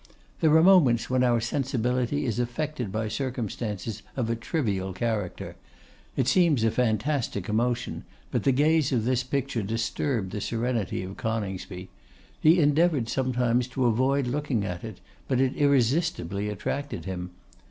There are moments when our sensibility is affected by circumstances of a trivial character. It seems a fantastic emotion, but the gaze of this picture disturbed the serenity of Coningsby. He endeavoured sometimes to avoid looking at it, but it irresistibly attracted him.